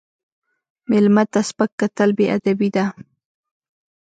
مېلمه ته سپک کتل بې ادبي ده.